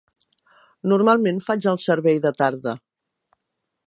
Normalment, faig el servei de tarda.